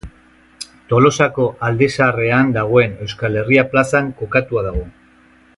Tolosako Alde Zaharrean dagoen Euskal Herria plazan kokatua dago.